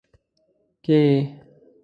کې